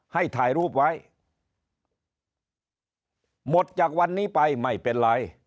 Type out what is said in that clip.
ให้ถ่ายรูปไว้หมดจากวันนี้ไปไม่เป็นไร